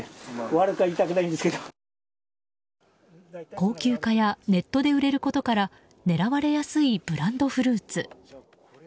高級化やネットで売れることから狙われやすいブランドフルーツ。